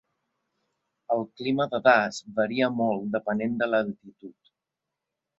El clima de Das varia molt depenent de l'altitud.